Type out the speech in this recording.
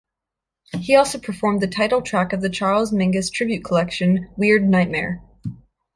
He also performed the title track of the Charles Mingus tribute collection, "Weird Nightmare".